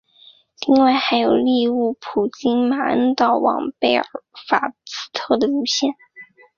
另外还有利物浦经马恩岛往贝尔法斯特的路线。